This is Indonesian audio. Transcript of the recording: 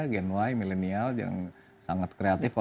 gen y milenial yang sangat kreatif